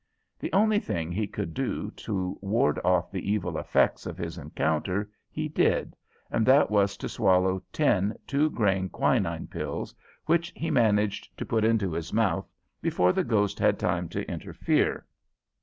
The only thing he could do to ward off the evil effects of his encounter he did, and that was to swallow ten two grain quinine pills, which he managed to put into his mouth before the ghost had time to interfere.